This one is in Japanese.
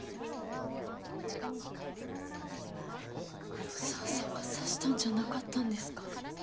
黒澤さんが刺したんじゃなかったんですか。